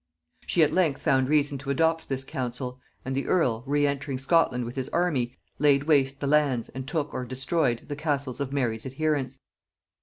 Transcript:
She at length found reason to adopt this counsel; and the earl, re entering Scotland with his army, laid waste the lands and took or destroyed the castles of Mary's adherents.